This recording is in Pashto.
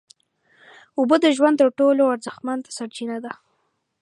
اوبه د ژوند تر ټولو ارزښتمنه سرچینه ده